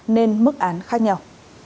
nên mức án khác nhau